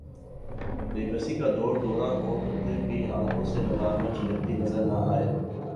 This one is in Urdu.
بے بسی کا دوردورہ ہو تو پھربھی آنکھوں سے ندامت جھلکتی نظر نہ آئے